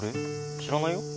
知らないよ。